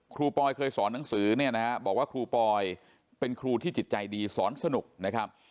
ปอยเคยสอนหนังสือเนี่ยนะฮะบอกว่าครูปอยเป็นครูที่จิตใจดีสอนสนุกนะครับ